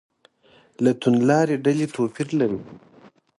له توندلارې ډلې توپیر لري.